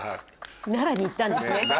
奈良に行ったんですね。